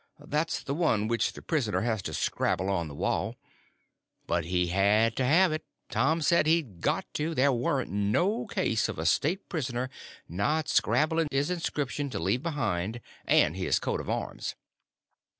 That's the one which the prisoner has to scrabble on the wall. But he had to have it; Tom said he'd got to; there warn't no case of a state prisoner not scrabbling his inscription to leave behind, and his coat of arms.